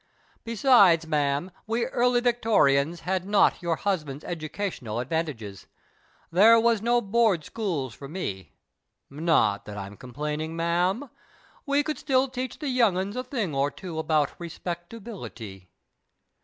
Besides, ma'am, we Early Victorians had not your husband's educational advantages. There were no Board schools for me. Not that I'm complaining, ma'am. We could still teach the young 'uns a thing or two about respectability."